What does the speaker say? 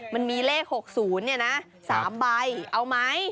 มันมีเลข๖๐เนี่ยนะ๓ใบเอาไหม